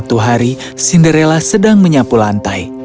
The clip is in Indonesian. satu hari cinderella sedang menyapu lantai